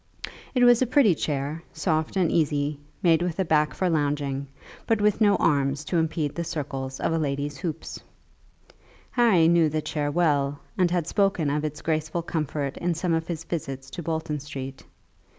It was a pretty chair, soft and easy, made with a back for lounging, but with no arms to impede the circles of a lady's hoop. Harry knew the chair well and had spoken of its graceful comfort in some of his visits to Bolton Street.